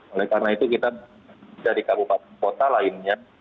oleh karena itu kita dari kabupaten kota lainnya